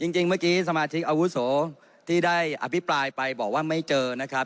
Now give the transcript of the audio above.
จริงเมื่อกี้สมาชิกอาวุโสที่ได้อภิปรายไปบอกว่าไม่เจอนะครับ